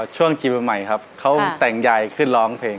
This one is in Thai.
ช่วงจีบใหม่ครับเขาแต่งใหญ่ขึ้นร้องเพลง